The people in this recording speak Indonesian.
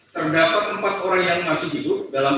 terdapat empat orang yang masih hidup dalam